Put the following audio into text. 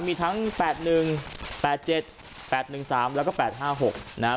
มีทั้งแปดหนึ่งแปดเจ็ดแปดหนึ่งสามแล้วก็แปดห้าหกนะ